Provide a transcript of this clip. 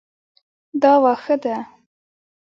دا واښه ده